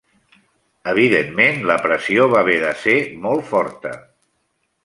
Evidentment, la pressió va haver de ser molt forta.